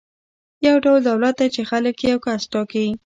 یو ډول دولت دی چې خلک یې یو کس ټاکي.